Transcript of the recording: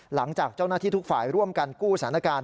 หลังจากเจ้าหน้าที่ทุกฝ่ายร่วมกันกู้สถานการณ์